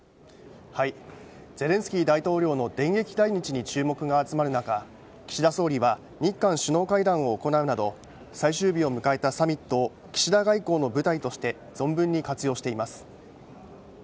ゼレンスキー大統領の電撃来日に注目が集まる中、岸田総理は日韓首脳会談を行うなど最終日を迎えたサミットを岸田外交の舞台として存分に活用しています。